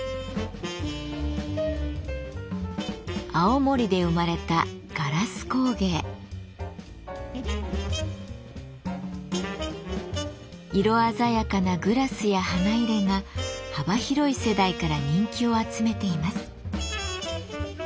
青森で生まれた色鮮やかなグラスや花入れが幅広い世代から人気を集めています。